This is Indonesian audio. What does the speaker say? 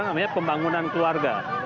ini yang namanya pembangunan keluarga